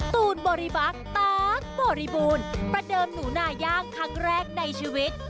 ตูนบริบักษ์ตั๊กบริบูรณ์ประเดิมหนูนาย่างครั้งแรกในชีวิต